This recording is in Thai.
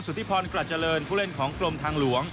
สุธิพรกลัดเจริญผู้เล่นของกรมทางหลวง